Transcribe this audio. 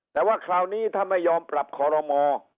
แต่ว่าคราวนี้ถ้าไม่ยอมปรับคอรมอ